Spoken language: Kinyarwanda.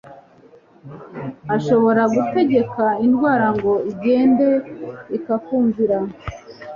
Ushobora gutegeka indwara ngo igende ikakumvira.